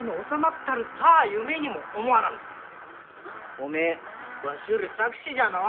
おめえわしより策士じゃのう。